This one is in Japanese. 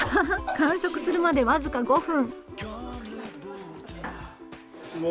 完食するまで僅か５分。